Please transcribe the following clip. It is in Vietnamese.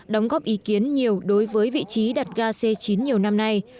đóng góp ý kiến nhiều đối với vị trí đặt ga c chín nhiều năm nay